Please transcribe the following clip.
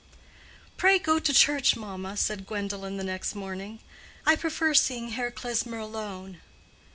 "Pray go to church, mamma," said Gwendolen the next morning. "I prefer seeing Herr Klesmer alone."